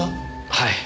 はい。